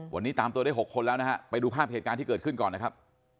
วันนี้ตามตัวได้๖คนแล้วนะฮะไปดูภาพเหตุการณ์ที่เกิดขึ้นก่อนนะครับ